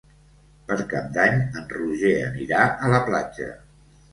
Per Cap d'Any en Roger anirà a la platja.